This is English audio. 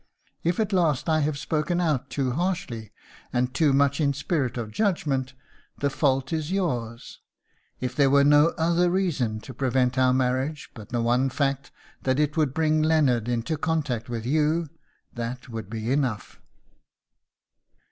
If at last I have spoken out too harshly and too much in a spirit of judgment, the fault is yours. If there were no other reason to prevent our marriage but the one fact that it would bring Leonard into contact with you, that would be enough."